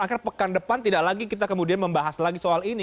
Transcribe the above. akhir pekan depan tidak lagi kita kemudian membahas lagi soal ini